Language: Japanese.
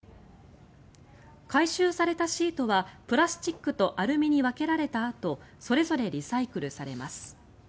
回収されたシートはプラスチックとアルミに分けられたあとそれぞれリサイクルされます。